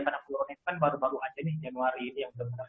karena flu rona itu kan baru baru aja nih januari ini yang sudah menerima